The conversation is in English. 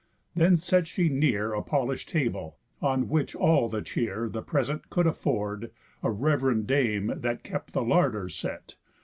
Then set she near A polish'd table, on which all the cheer The present could afford a rev'rend dame, That kept the larder, set.